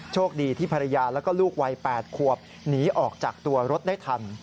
โชคดีที่ภรรยาแล้วก็ลูกวัย๘ขวบหนีออกจากตัวรถได้ทัน